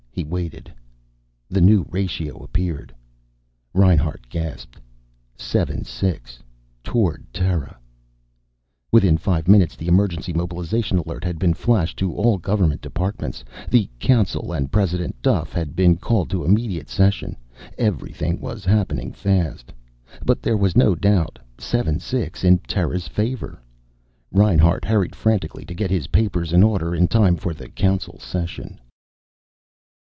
He waited. The new ratio appeared. Reinhart gasped. 7 6. Toward Terra! Within five minutes the emergency mobilization alert had been flashed to all Government departments. The Council and President Duffe had been called to immediate session. Everything was happening fast. But there was no doubt. 7 6. In Terra's favor. Reinhart hurried frantically to get his papers in order, in time for the Council session.